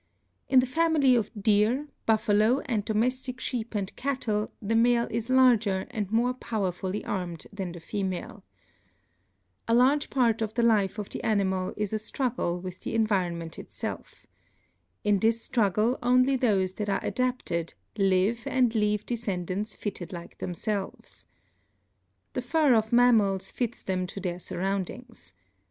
In the family of deer, buffalo and domestic sheep and cattle the male is larger and more powerfully armed than the female. A large part of the life of the animal is a struggle with the environment itself. In this struggle only those that are ADAPTATION 273 adapted live and leave descendants fitted like themselves. The fur of mammals fits them to their surroundings.